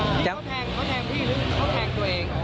เขาแทงพี่หรือเขาแทงตัวเอง